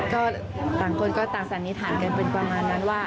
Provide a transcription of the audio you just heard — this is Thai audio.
ก็ต่างคนก็ต่างสันนิษฐานกันเป็นประมาณนั้นว่า